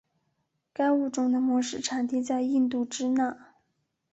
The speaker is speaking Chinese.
该物种的模式产地在印度支那。